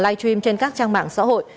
livestream trên các trang mạng xã hội